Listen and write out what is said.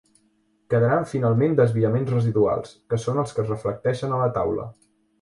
Quedaran finalment desviaments residuals, que són els que es reflecteixen a la taula.